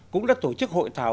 cũng đã tổ chức hội thảo